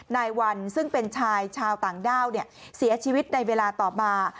นายวันซึ่งเป็นชายชาวต่างด้าวเสียชีวิตในเวลาต่อมา